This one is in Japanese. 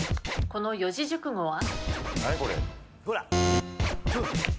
この四字熟語は？